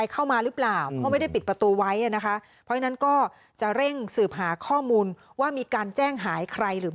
ขาตะขานมึงขาจะพับอยู่